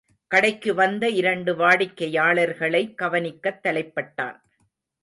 கடைக்கு வந்த இரண்டு வாடிக்கையாளர்களை, கவனிக்கத் தலைப்பட்டான்.